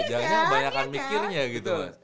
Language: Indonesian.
jangan nyambangkan mikirnya gitu